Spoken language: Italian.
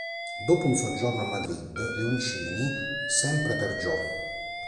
Dopo un soggiorno a Madrid, Leoncini, sempre per Gio.